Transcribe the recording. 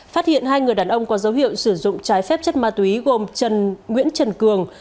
phát hiện hai người đàn ông có dấu hiệu sử dụng trái phép chất ma túy gồm nguyễn trần cường